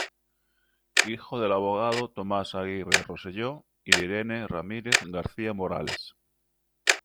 Hijo del abogado Tomás Aguirre Rosselló y de Irene Ramírez García Morales.